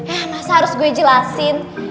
eh masa harus gue jelasin